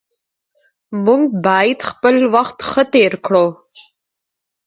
موږ باید خپل وخت ښه تیر کړو